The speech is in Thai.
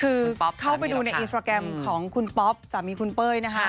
คือเข้าไปดูในอินสตราแกรมของคุณป๊อปสามีคุณเป้ยนะคะ